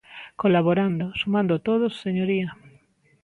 Colaborando, sumando todos, señoría.